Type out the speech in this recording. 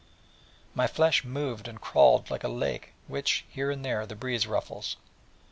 My flesh moved and crawled like a lake which, here and there, the breeze ruffles.